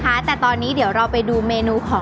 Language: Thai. เพราะว่าผักหวานจะสามารถทำออกมาเป็นเมนูอะไรได้บ้าง